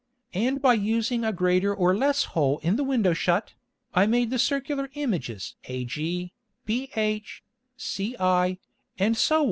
and by using a greater or less Hole in the Window shut, I made the Circular Images ag, bh, ci, &c.